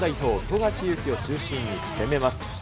富樫勇樹を中心に攻めます。